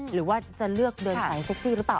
หรือว่าจะเลือกเดินสายเซ็กซี่หรือเปล่า